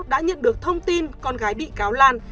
đã nhận được thông tin con gái bị cáo lan